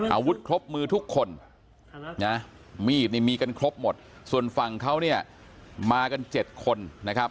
อาวุธครบมือทุกคนมีกันครบหมดส่วนฝั่งเขามากันเจ็ดคนนะครับ